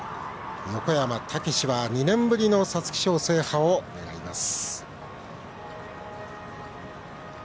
横山武史は２年ぶりの皐月賞制覇を狙います。